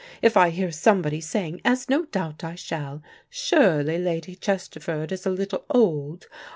If I hear somebody saying, as no doubt I shall, 'Surely, Lady Chesterford is a little old?'